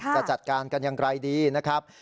จะจัดการกันอย่างไรดีนะครับ